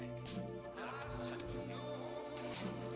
ternyata nyali lo ke di jumlah